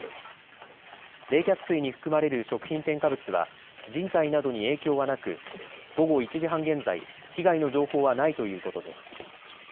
冷却水に含まれる食品添加物は人体などに影響はなく午後１時半現在、被害の情報はないということです。